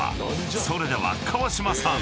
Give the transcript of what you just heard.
［それでは川島さん